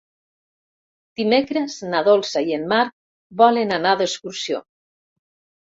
Dimecres na Dolça i en Marc volen anar d'excursió.